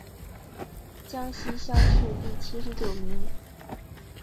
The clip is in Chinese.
江西乡试第七十九名。